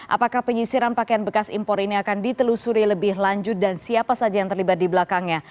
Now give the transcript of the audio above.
apakah penyisiran pakaian bekas impor ini akan ditelusuri lebih lanjut dan siapa saja yang terlibat di belakangnya